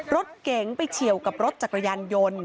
รถเก๋งไปเฉียวกับรถจักรยานยนต์